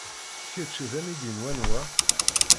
Kečč d amidi n wanwa?